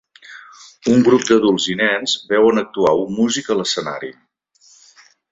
Un grup d'adults i nens veuen actuar un músic a l'escenari.